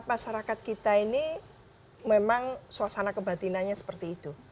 masyarakat kita ini memang suasana kebatinannya seperti itu